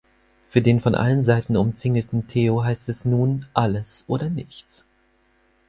Für den von allen Seiten umzingelten Theo heißt es nun „alles oder nichts“.